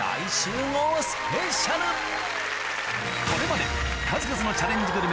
これまで数々のチャレンジ